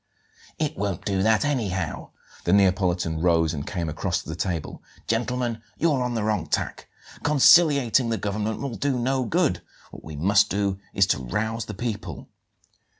"It won't do that anyhow." The Neapolitan rose and came across to the table. "Gentlemen, you're on the wrong tack. Conciliating the government will do no good. What we must do is to rouse the people."